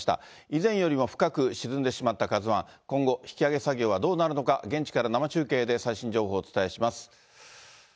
以前よりも深く沈んでしまったＫＡＺＵＩ、今後、引き揚げ作業はどうなるのか、現地から生中継で最新情報をお伝えします。